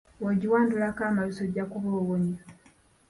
W'ogyiwandulako amalusu, ojja kuba owonye.